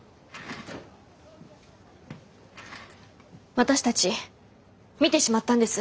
私たち見てしまったんです。